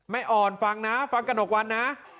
ไม่อ่อนฟังนะฟังกัน๖วันนะ